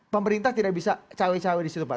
pemerintah tidak bisa cawe cawe disitu pak